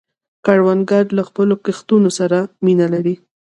کروندګر له خپلو کښتونو سره مینه لري